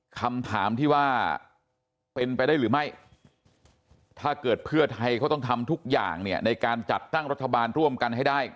คำถามที่ว่าเป็นไปได้หรือไม่ถ้าเกิดเพื่อไทยเขาต้องทำทุกอย่างเนี่ยในการจัดตั้งรัฐบาลร่วมกันให้ได้